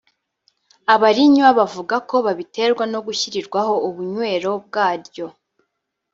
abarinywa bavuga ko babiterwa no gushyirirwaho ubunywero bwaryo